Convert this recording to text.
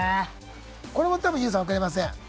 これも多分ＹＯＵさん分かりません。